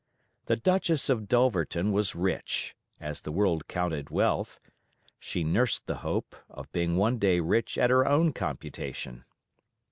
The Duchess of Dulverton was rich, as the world counted wealth; she nursed the hope, of being one day rich at her own computation.